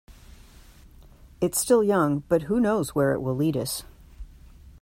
It's still young, but who knows where it will lead us.